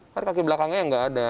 kan kaki belakangnya yang nggak ada